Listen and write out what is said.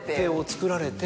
作られて。